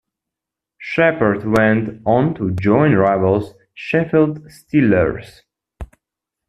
Shepherd went on to join rivals Sheffield Steelers.